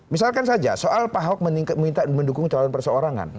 misalkan saja soal pak ahok minta mendukung calon perseorangan